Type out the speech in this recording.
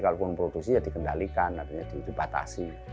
kalau memproduksi ya dikendalikan artinya dibatasi